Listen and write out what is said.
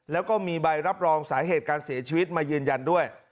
แล้วก็มีใบรับรองสาเหตุการเสียชีวิตมายืนยันด้วย